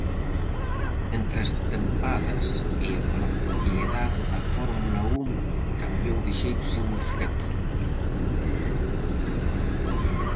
Entre as tempadas e a propiedade da Fórmula Un cambiou de xeito significativo.